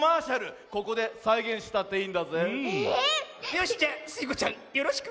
⁉よしじゃスイ子ちゃんよろしく！